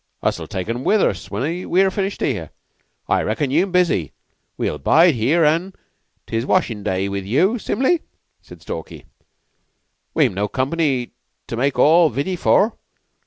"Us'll take un with us when we're finished here. I reckon yeou'm busy. We'll bide here an' 'tis washin' day with yeou, simly," said Stalky. "We'm no company to make all vitty for.